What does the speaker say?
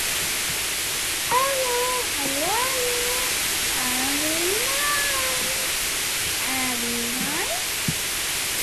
The lower lobes of the corolla are about long with wings up to wide.